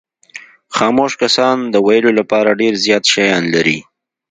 خاموش کسان د ویلو لپاره ډېر زیات شیان لري.